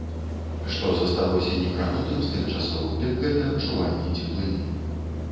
Што засталося некранутым з тых часоў, дык гэта адчуванне цеплыні.